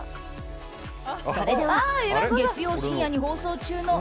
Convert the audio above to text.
それでは月曜深夜に放送中の